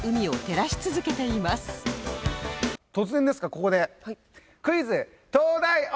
突然ですがここでクイズ灯台王！